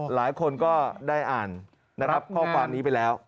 หลายคนก็ได้อ่านข้อมูลนี้ไปแล้ว